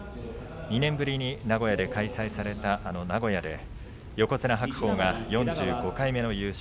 ２年ぶりに名古屋で開催されたあの名古屋で横綱白鵬が４５回目の優勝。